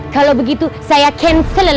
kalau begitu saya cancel